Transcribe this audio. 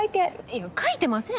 いや書いてません。